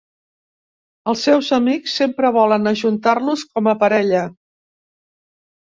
Els seus amics sempre volen ajuntar-los com a parella.